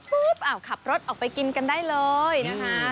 ขับรถออกไปกินกันได้เลยนะคะ